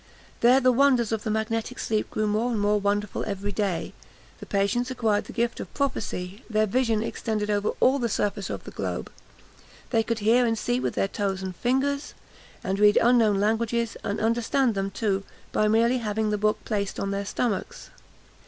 There the wonders of the magnetic sleep grew more and more wonderful every day; the patients acquired the gift of prophecy; their vision extended over all the surface of the globe; they could hear and see with their toes and fingers, and read unknown languages, and understand them too, by merely having the book placed on their stomachs.